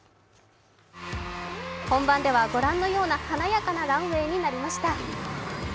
本番では御覧のような華やかなランウェイになりました。